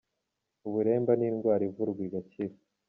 Uburemba ni indwara ivurwa igakira